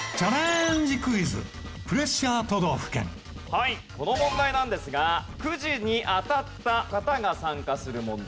はいこの問題なんですがくじに当たった方が参加する問題になっています。